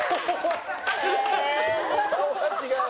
顔が違う。